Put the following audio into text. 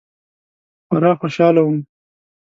خورا خوشحاله وم.